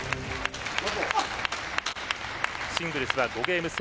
シングルスは５ゲーム制。